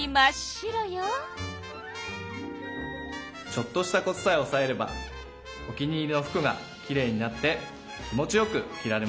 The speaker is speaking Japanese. ちょっとしたコツさえおさえればお気に入りの服がきれいになって気持ちよく着られますよ。